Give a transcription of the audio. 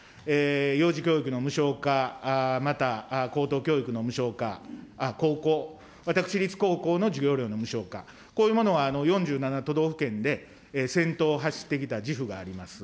幼児教育の無償化、また高等教育の無償化、高校、私立高校の授業料の無償化、こういうものは４７都道府県で先頭を走ってきた自負があります。